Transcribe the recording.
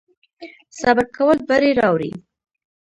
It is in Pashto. صبر کول بری راوړي